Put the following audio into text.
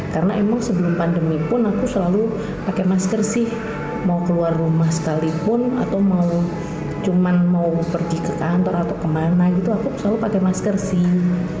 karena emang sebelum pandemi pun aku selalu pakai masker sih mau keluar rumah sekalipun atau mau cuma mau pergi ke kantor atau kemana gitu aku selalu pakai masker sih